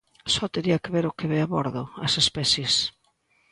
Só tería que ver o que ve a bordo, as especies.